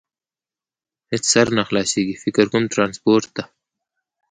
هېڅ سر نه خلاصېږي، فکر کوم، ترانسپورټ ته.